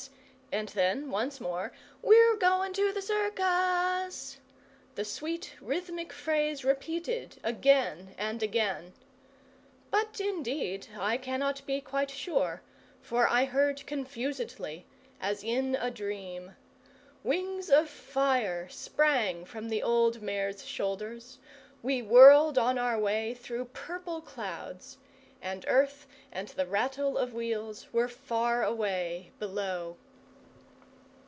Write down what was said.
and then, once more, "We're goin' to the circus!" the sweet rhythmic phrase repeated again and again. But indeed I cannot be quite sure, for I heard confusedly, as in a dream. Wings of fire sprang from the old mare's shoulders. We whirled on our way through purple clouds, and earth and the rattle of wheels were far away below.